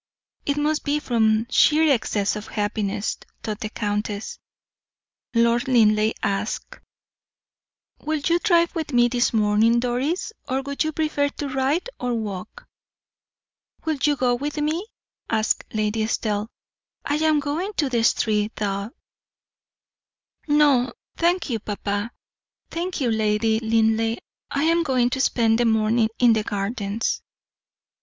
"It must be from sheer excess of happiness," thought the countess. Lord Linleigh asked: "Will you drive with me this morning, Doris, or would you prefer to ride or walk?" "Will you go with me?" asked Lady Estelle. "I am going to Streathaw." "No, thank you, papa. Thank you, Lady Linleigh. I am going to spend the morning in the gardens."